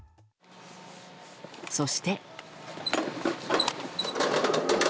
そして。